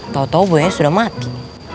tau tau buaya sudah mati